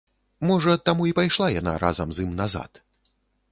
Можа, таму і пайшла яна разам з ім назад.